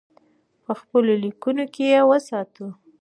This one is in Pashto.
په خپلو لیکنو کې یې وساتو.